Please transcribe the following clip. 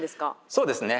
そうですね。